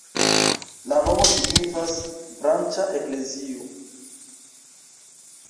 La nomo signifas branĉa-eklezio.